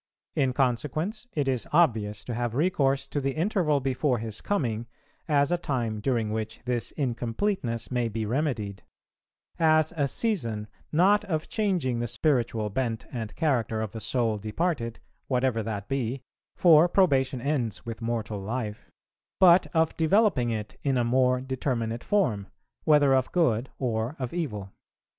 In consequence it is obvious to have recourse to the interval before His coming, as a time during which this incompleteness may be remedied; as a season, not of changing the spiritual bent and character of the soul departed, whatever that be, for probation ends with mortal life, but of developing it in a more determinate form, whether of good or of evil.